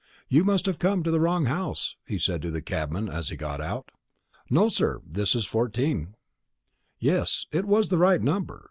"You must have come to the wrong house," he said to the cabman as he got out. "No, sir, this is 14." Yes, it was the right number.